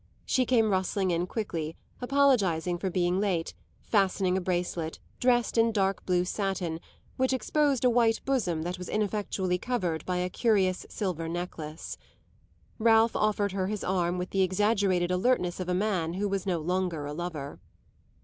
She came rustling in quickly, apologising for being late, fastening a bracelet, dressed in dark blue satin, which exposed a white bosom that was ineffectually covered by a curious silver necklace. Ralph offered her his arm with the exaggerated alertness of a man who was no longer a lover.